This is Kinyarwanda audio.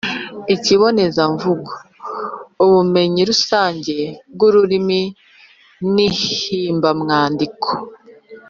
ikibonezamvugo, ubumenyi rusange bw’ururimi n’ihimbamwandiko